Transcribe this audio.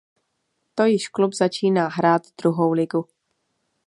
To již klub začíná hrát druhou ligu.